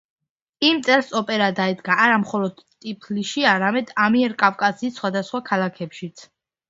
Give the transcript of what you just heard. იმ წელს ოპერა დაიდგა არა მხოლოდ ტიფლისში, არამედ ამიერკავკასიის სხვადასხვა ქალაქებშიც.